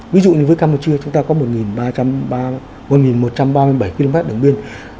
ví dụ như với campuchia chúng ta có một một trăm ba mươi bảy km đồng biên